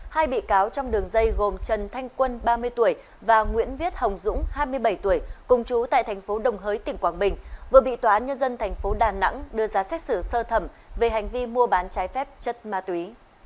hai bị cáo trong đường dây gồm trần thanh quân ba mươi tuổi và nguyễn viết hồng dũng hai mươi bảy tuổi cùng chú tại thành phố đồng hới tỉnh quảng bình vừa bị tòa án nhân dân tp đà nẵng đưa ra xét xử sơ thẩm về hành vi mua bán trái phép chất ma túy